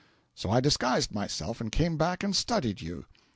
So I disguised myself and came back and studied you.